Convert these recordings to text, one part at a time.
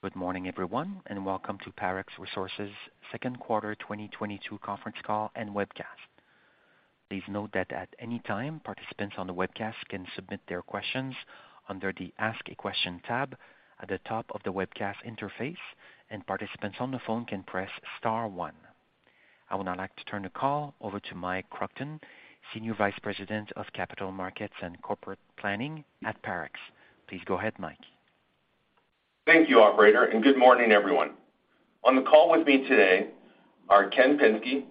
Good morning, everyone, and welcome to Parex Resources' Second Quarter 2022 Conference Call and Webcast. Please note that at any time, participants on the webcast can submit their questions under the "Ask a Question" tab at the top of the webcast interface, and participants on the phone can press star one. I would now like to turn the call over to Mike Kruchten, Senior Vice President of Capital Markets and Corporate Planning at Parex. Please go ahead, Mike. Thank you, operator, and good morning, everyone. On the call with me today are Ken Pinsky,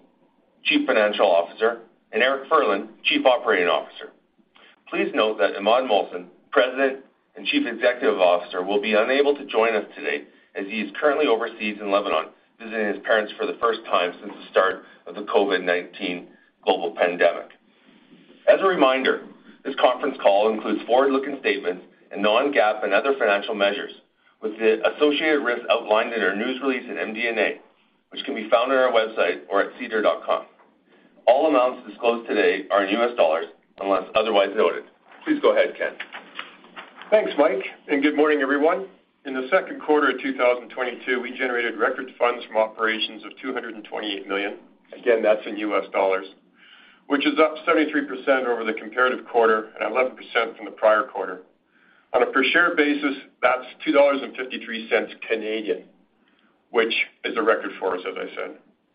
Chief Financial Officer, and Eric Furlan, Chief Operating Officer. Please note that Imad Mohsen, President and Chief Executive Officer, will be unable to join us today as he is currently overseas in Lebanon, visiting his parents for the first time since the start of the COVID-19 global pandemic. As a reminder, this conference call includes forward-looking statements and non-GAAP and other financial measures, with the associated risks outlined in our news release in MD&A, which can be found on our website or at SEDAR.com. All amounts disclosed today are in U.S. dollars unless otherwise noted. Please go ahead, Ken. Thanks, Mike, and good morning, everyone. In the second quarter of 2022, we generated record funds from operations of $228 million. Again, that's in U.S. dollars, which is up 73% over the comparative quarter and 11% from the prior quarter. On a per-share basis, that's 2.53 Canadian dollars, which is a record for us, as I said.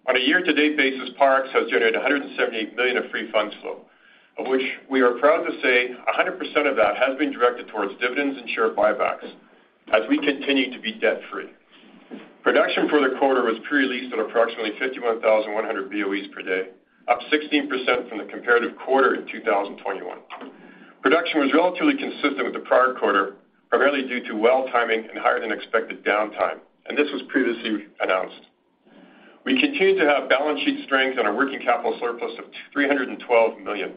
On a year-to-date basis, Parex has generated $178 million of Free Funds Flow, of which we are proud to say 100% of that has been directed towards dividends and share buybacks as we continue to be debt-free. Production for the quarter was preliminary at approximately 51,100 boe/d per day, up 16% from the comparative quarter in 2021. Production was relatively consistent with the prior quarter, primarily due to well timing and higher-than-expected downtime, and this was previously announced. We continue to have balance sheet strength and a working capital surplus of $312 million.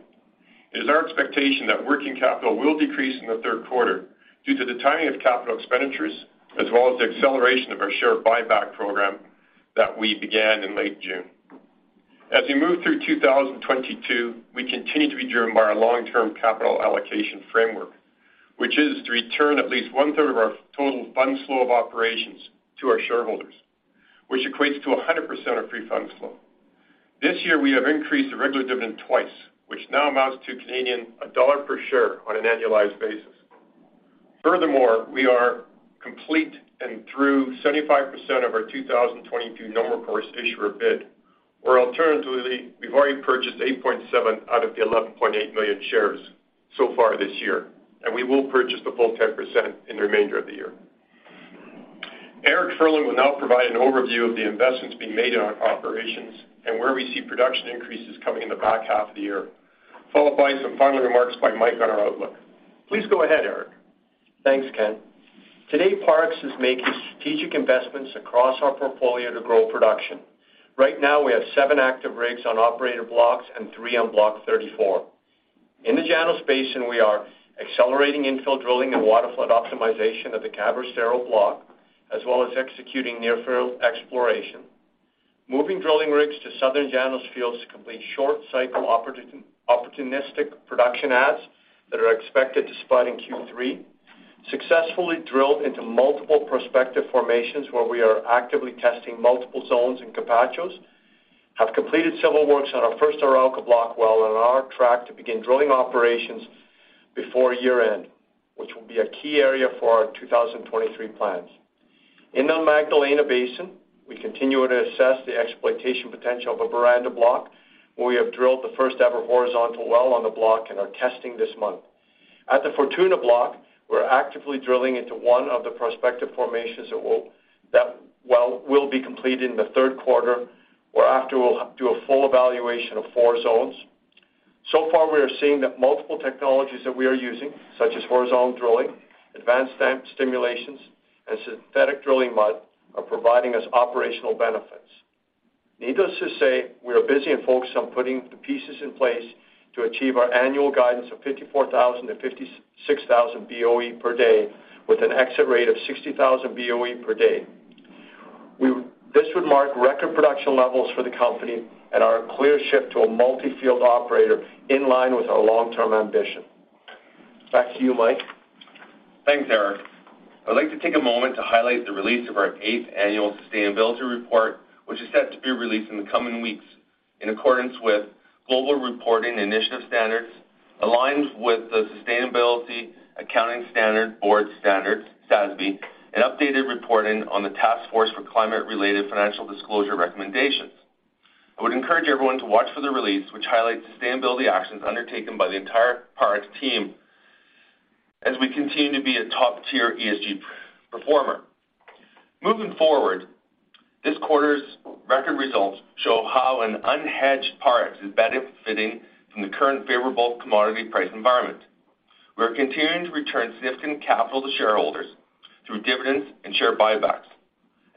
It is our expectation that working capital will decrease in the third quarter due to the timing of capital expenditures as well as the acceleration of our share buyback program that we began in late June. As we move through 2022, we continue to be driven by our long-term capital allocation framework, which is to return at least one-third of our total funds flow from operations to our shareholders, which equates to 100% of Free Funds Flow. This year, we have increased the regular dividend twice, which now amounts to CAD $1 per share on an annualized basis. Furthermore, we are completed through 75% of our 2022 Normal Course Issuer Bid. Alternatively, we've already purchased 8.7 out of the 11.8 million shares so far this year, and we will purchase the full 10% in the remainder of the year. Eric Furlan will now provide an overview of the investments being made in our operations and where we see production increases coming in the back half of the year, followed by some final remarks by Mike on our outlook. Please go ahead, Eric. Thanks, Ken. Today, Parex is making strategic investments across our portfolio to grow production. Right now, we have seven active rigs on operated blocks and three on Block 34. In the Llanos Basin, we are accelerating infill drilling and waterflood optimization of the Cabrestero Block, as well as executing near-field exploration. Moving drilling rigs to Southern Llanos fields to complete short-cycle opportunistic production adds that are expected to spud in Q3. Successfully drilled into multiple prospective formations where we are actively testing multiple zones in Capachos. Have completed several works on our first Arauca Block well and are on track to begin drilling operations before year-end, which will be a key area for our 2023 plans. In the Magdalena Basin, we continue to assess the exploitation potential of a Boranda Block, where we have drilled the first-ever horizontal well on the block and are testing this month. At the Fortuna Block, we're actively drilling into one of the prospective formations that well will be completed in the third quarter, whereafter we'll do a full evaluation of four zones. So far, we are seeing that multiple technologies that we are using, such as horizontal drilling, advanced stimulations, and synthetic drilling mud, are providing us operational benefits. Needless to say, we are busy and focused on putting the pieces in place to achieve our annual guidance of 54,000 to 56,000 BOE per day with an exit rate of 60,000 BOE per day. This would mark record production levels for the company and our clear shift to a multi-field operator in line with our long-term ambition. Back to you, Mike. Thanks, Eric. I'd like to take a moment to highlight the release of our 8th annual sustainability report, which is set to be released in the coming weeks in accordance with Global Reporting Initiative standards, aligns with the Sustainability Accounting Standards Board standards, SASB, and updated reporting on the Task Force on Climate-related Financial Disclosures recommendations. I would encourage everyone to watch for the release, which highlights sustainability actions undertaken by the entire Parex team as we continue to be a top-tier ESG performer. Moving forward, this quarter's record results show how an unhedged, Parex is benefiting from the current favorable commodity price environment. We're continuing to return significant capital to shareholders through dividends and share buybacks,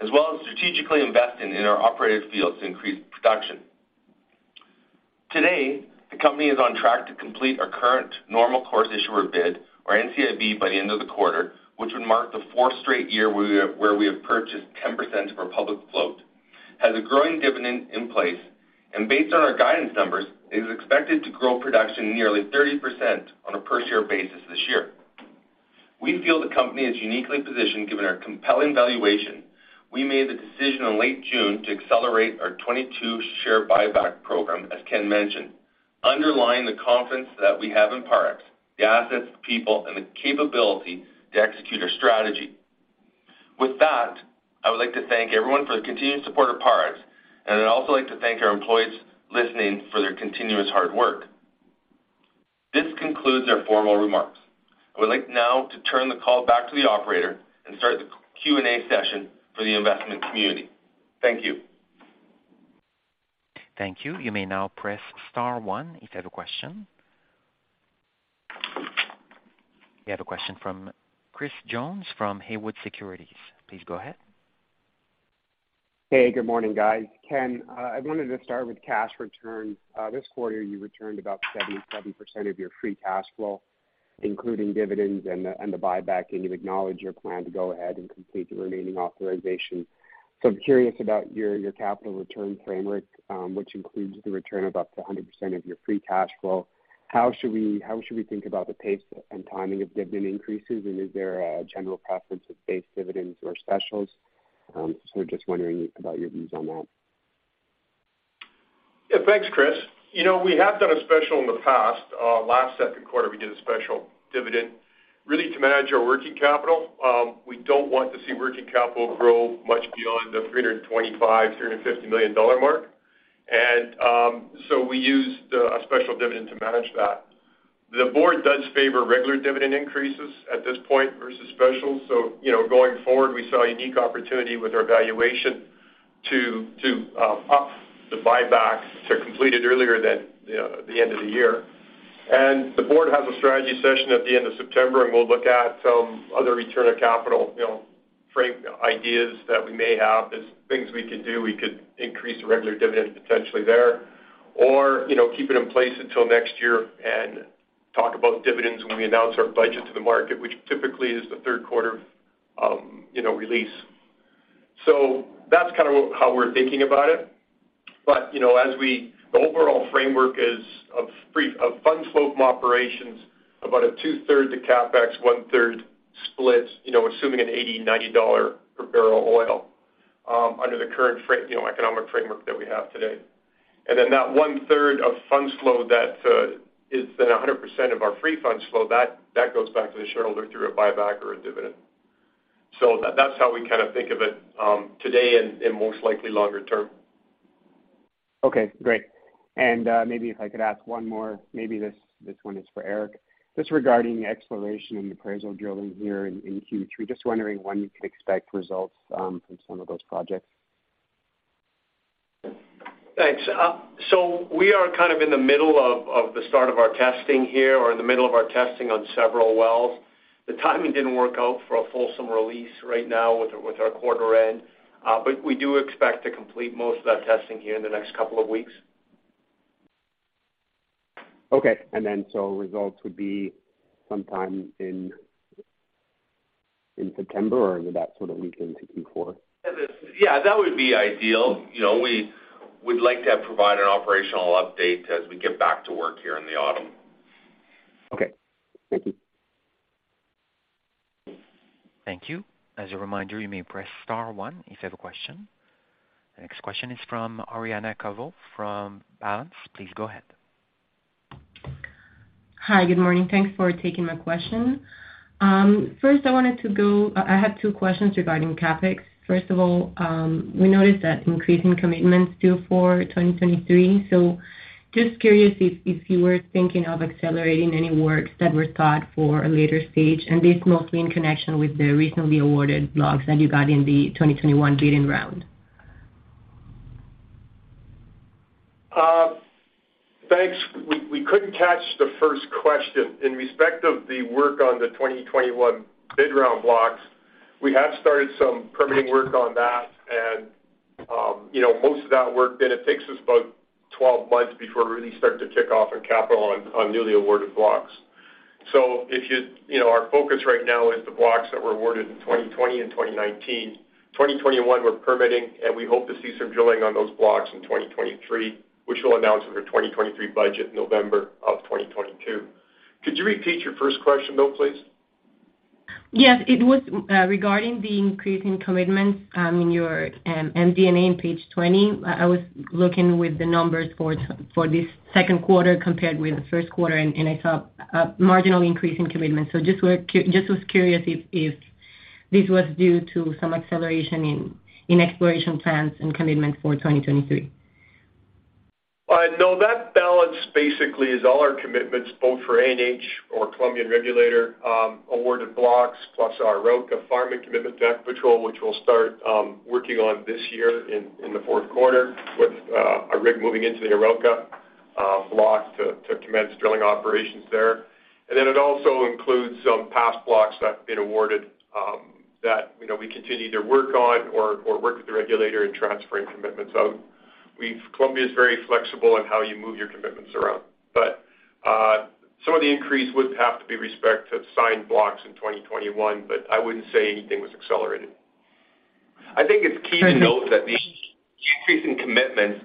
as well as strategically investing in our operated fields to increase production. Today, the company is on track to complete our current Normal Course Issuer Bid or NCIB by the end of the quarter, which would mark the fourth straight year where we have purchased 10% of our public float. Has a growing dividend in place, and based on our guidance numbers, is expected to grow production nearly 30% on a per share basis this year. We feel the company is uniquely positioned given our compelling valuation. We made the decision in late June to accelerate our 2022 share buyback program, as Ken mentioned, underlying the confidence that we have in Parex, the assets, the people, and the capability to execute our strategy. With that, I would like to thank everyone for the continued support of Parex, and I'd also like to thank our employees listening for their continuous hard work. This concludes our formal remarks. I would like now to turn the call back to the operator and start the Q&A session for the investment community. Thank you. Thank you. You may now press star one if you have a question. We have a question from Chris Jones from Haywood Securities. Please go ahead. Hey, good morning, guys. Ken, I wanted to start with cash return. This quarter, you returned about 77% of your free cash flow, including dividends and the buyback, and you acknowledge your plan to go ahead and complete the remaining authorization. I'm curious about your capital return framework, which includes the return of up to 100% of your free cash flow. How should we think about the pace and timing of dividend increases, and is there a general preference of base dividends or specials? Just wondering about your views on that. Yeah. Thanks, Chris. You know, we have done a special in the past. Last second quarter, we did a special dividend really to manage our working capital. We don't want to see working capital grow much beyond the $325 to $350 million mark. We used a special dividend to manage that. The board does favor regular dividend increases at this point versus specials. You know, going forward, we saw a unique opportunity with our valuation to up the buyback to complete it earlier than, you know, the end of the year. The board has a strategy session at the end of September, and we'll look at some other return of capital, you know, ideas that we may have. There's things we could do. We could increase the regular dividend potentially there or, you know, keep it in place until next year and talk about dividends when we announce our budget to the market, which typically is the third quarter, you know, release. That's kind of how we're thinking about it. You know, the overall framework is of funds flow from operations, about a two-thirds to CapEx, one-third split, you know, assuming $80 to $90 per barrel oil, under the current economic framework that we have today. Then that one-third of funds flow that is then 100% of our Free Funds Flow, that goes back to the shareholder through a buyback or a dividend. That's how we kind of think of it, today and most likely longer term. Okay, great. Maybe if I could ask one more, maybe this one is for Eric. Just regarding exploration and appraisal drilling here in Q3, just wondering when you could expect results from some of those projects. Thanks. We are kind of in the middle of the start of our testing here or in the middle of our testing on several wells. The timing didn't work out for a fulsome release right now with our quarter end, but we do expect to complete most of that testing here in the next couple of weeks. Okay. Results would be sometime in September or into that sort of week into Q4? Yeah, that would be ideal. You know, we would like to have provided an operational update as we get back to work here in the autumn. Okay. Thank you. Thank you. As a reminder, you may press star one if you have a question. The next question is from Daniel Ferreiro from Balanz. Please go ahead. Hi. Good morning. Thanks for taking my question. First, I had two questions regarding CapEx. First of all, we noticed that increasing commitments due for 2023, so just curious if you were thinking of accelerating any works that were thought for a later stage, and this mostly in connection with the recently awarded blocks that you got in the 2021 bidding round. Thanks. We couldn't catch the first question. In respect of the work on the 2021 Bid Round blocks, we have started some permitting work on that and, you know, most of that work, then it takes us about 12 months before we really start to kick off and capitalize on newly awarded blocks. You know, our focus right now is the blocks that were awarded in 2020 and 2019. 2021, we're permitting, and we hope to see some drilling on those blocks in 2023, which we'll announce in our 2023 budget November of 2022. Could you repeat your first question though, please? Yes. It was regarding the increase in commitments in your MD&A on page 20. I was looking at the numbers for this second quarter compared with the first quarter, and I saw a marginal increase in commitments. I was just curious if this was due to some acceleration in exploration plans and commitments for 2023. No, that balance basically is all our commitments both for ANH or Colombian Regulator, awarded blocks plus our Arauca farm-in commitment to Ecopetrol, which we'll start working on this year in the fourth quarter with a rig moving into the Arauca blocks to commence drilling operations there. It also includes some past blocks that have been awarded, that, you know, we continue to work on or work with the regulator in transferring commitments out. Colombia is very flexible on how you move your commitments around. Some of the increase would have to be with respect to signed blocks in 2021, but I wouldn't say anything was accelerated. I think it's key to note that the increase in commitments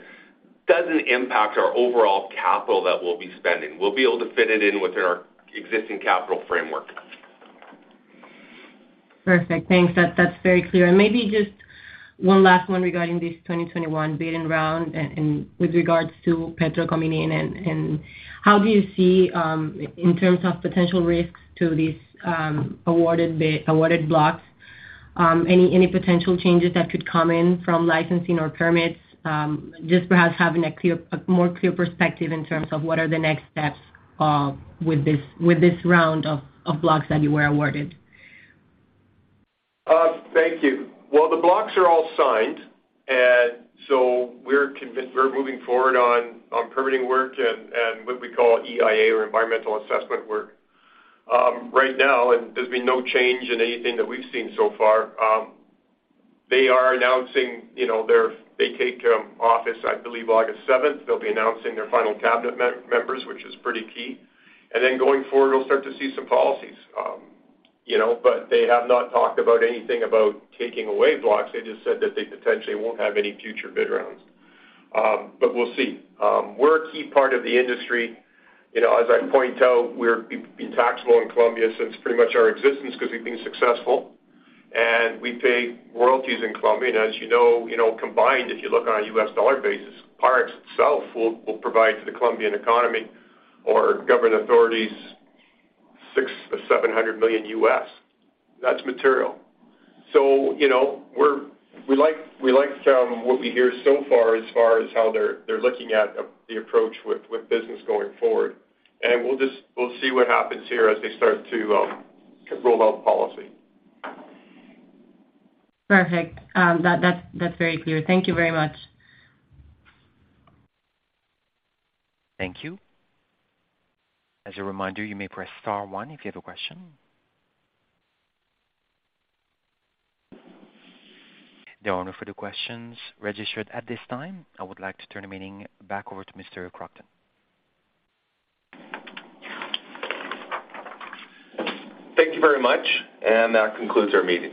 doesn't impact our overall capital that we'll be spending. We'll be able to fit it in within our existing capital framework. Perfect. Thanks. That's very clear. Maybe just one last one regarding this 2021 bidding round and with regards to Petro coming in and how do you see in terms of potential risks to these awarded blocks, any potential changes that could come in from licensing or permits, just perhaps having a more clear perspective in terms of what are the next steps with this round of blocks that you were awarded. Thank you. Well, the blocks are all signed, and so we're convinced we're moving forward on permitting work and what we call EIA or environmental assessment work. Right now, there's been no change in anything that we've seen so far. They are announcing, you know, they take office, I believe, August seventh. They'll be announcing their final cabinet members, which is pretty key. Then going forward, we'll start to see some policies, you know, but they have not talked about anything about taking away blocks. They just said that they potentially won't have any future bid rounds. We'll see. We're a key part of the industry. You know, as I point out, we've been taxable in Colombia since pretty much our existence because we've been successful. We pay royalties in Colombia. As you know, combined, if you look on a U.S. dollar basis, Parex itself will provide to the Colombian economy or government authorities $600 million to $700 million. That's material. You know, we like what we hear so far as far as how they're looking at the approach with business going forward. We'll see what happens here as they start to roll out policy. Perfect. That's very clear. Thank you very much. Thank you. As a reminder, you may press star one if you have a question. There are no further questions registered at this time. I would like to turn the meeting back over to Mike Kruchten. Thank you very much, and that concludes our meeting.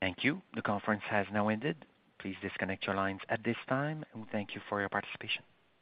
Thank you. The conference has now ended. Please disconnect your lines at this time, and thank you for your participation.